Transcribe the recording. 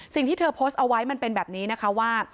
สิ่งที่เธอโพสต์เอาไว้มันเป็นแบบนี้นะคะว่า